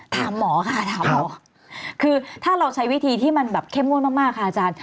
ถามหมอค่ะถามหมอคือถ้าเราใช้วิธีที่มันแบบเข้มงวดมากค่ะอาจารย์